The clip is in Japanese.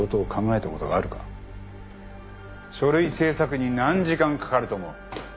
書類制作に何時間かかると思う？